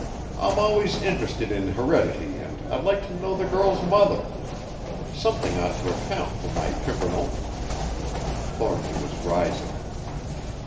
I'm always interested in heredity and I'd like to know the girl's mother. Something ought to account for my pimpernel." Thornly was rising.